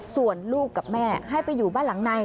ส่วนลูกกับแม่ให้ไปอยู่บ้านหลังใน